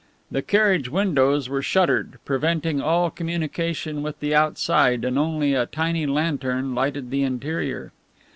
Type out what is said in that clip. The carriage windows were shuttered, preventing all communication with the outside, and only a tiny lantern lighted the interior.